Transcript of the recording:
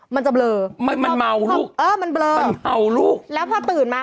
มันจะเบลอมันมันเมาลูกเออมันเบลอมันเมาลูกแล้วพอตื่นมา